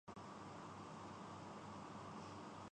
وہ واپس لی جائیں گی۔